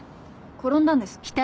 転んだんです。